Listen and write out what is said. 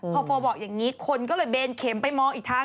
พอโฟบอกอย่างนี้คนก็เลยเบนเข็มไปมองอีกทาง